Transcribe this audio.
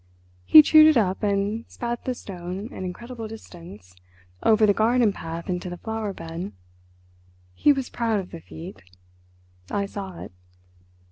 He chewed it up and spat the stone an incredible distance—over the garden path into the flower bed. He was proud of the feat. I saw it.